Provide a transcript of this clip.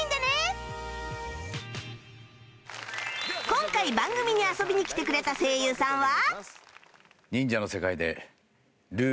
今回番組に遊びに来てくれた声優さんは